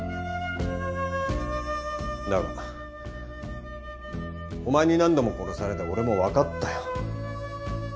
だがお前に何度も殺されて俺も分かったよ。